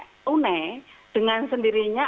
tunai dengan sendirinya